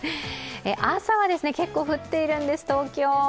朝は結構降っているんです、東京。